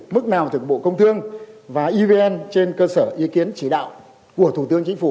mức nào từ bộ công thương và evn trên cơ sở ý kiến chỉ đạo của thủ tướng chính phủ